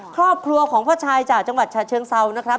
ครอบครัวของพ่อชายจากจังหวัดฉะเชิงเซานะครับ